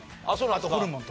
あとホルモンとか。